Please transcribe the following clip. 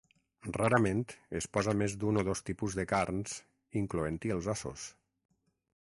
Rarament es posa més d'un o dos tipus de carns, incloent-hi els ossos.